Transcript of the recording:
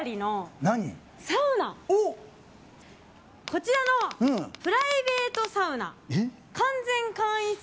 こちらのプライベートサウナ。